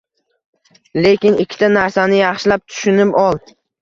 Lekin ikkita narsani yaxshilab tushunib ol